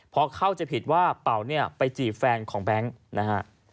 เพราะเข้าจะผิดว่าเป๋าไปจีบแฟนของแบงค์นะฮะ